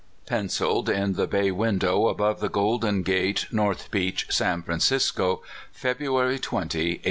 (Penciled in the bay window above the Golden Gate, North Beach, San Francisco, February 20, 1873.)